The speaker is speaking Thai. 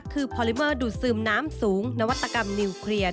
คือพอลิเมอร์ดูดซึมน้ำสูงนวัตกรรมนิวเคลียร์